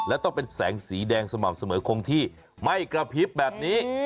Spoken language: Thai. และต้องเป็นแสงสีแดงสม่ำเสมอคงที่ไม่กระพริบแบบนี้